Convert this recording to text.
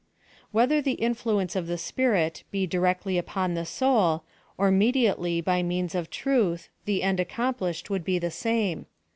Whether the influence of the Spirit be directly upon the soul, or mediately by means of truth, the end accomplished would be the same.